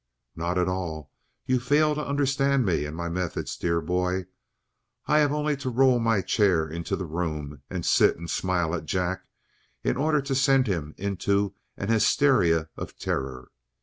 "Not at all! You fail to understand me and my methods, dear boy. I have only to roll my chair into the room and sit and smile at Jack in order to send him into an hysteria of terror.